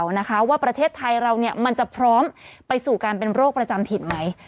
ว่าประเทศไทยเราจะพร้อมไปสู้การเป็นโรคประจำถิ่นไหม